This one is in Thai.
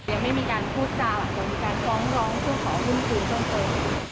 ยังไม่มีการพูดจาหลังแต่มีการฟ้องร้องเพื่อขอหุ้นคืนต้นตน